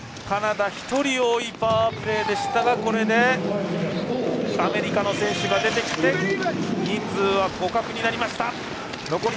カナダ１人多いパワープレーでしたがこれでアメリカの選手が出てきて人数は互角になりました。